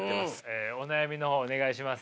えお悩みの方お願いします。